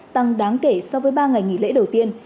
tăng đáng kể so với ba ngày nghỉ lễ đầu tiên